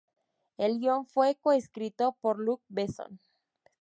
El guion fue coescrito por Luc Besson.